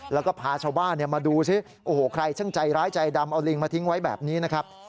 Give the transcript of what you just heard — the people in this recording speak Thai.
แล้วก็พาชาวบ้านมาดูซิโอ้โหใครช่างใจร้ายใจดำเอาลิงมาทิ้งไว้แบบนี้นะครับ